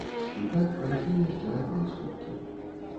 І так прайшлі яшчэ адны суткі.